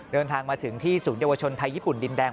เดินทางมาถึงที่ศูนยวชนไทยญี่ปุ่นดินแดง